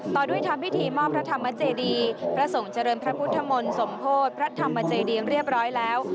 ต่อด้วยทำพิธีมอบพระธรรมเจดีพระสงฆ์เจริญพระพุทธมนต์สมโพธิพระธรรมเจดีเรียบร้อยแล้ว